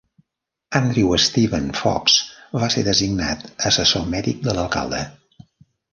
Andrew Steven Fox va ser designat assessor mèdic de l'alcalde.